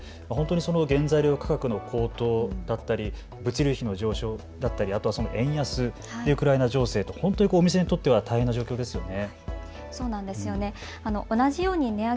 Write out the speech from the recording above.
原材料価格の高騰だったり物流費の上昇だったり、円安、ウクライナ情勢と本当にお店にとっては大変な状況ですよね。